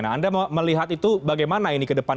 nah anda melihat itu bagaimana ini ke depan